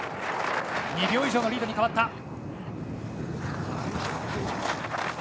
２秒以上のリードに変わった。